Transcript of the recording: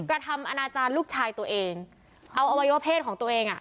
กระทำอนาจารย์ลูกชายตัวเองเอาอวัยวะเพศของตัวเองอ่ะ